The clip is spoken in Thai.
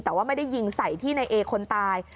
แต่ว่าไม่ได้ยิงใส่ที่ในเอคนตาย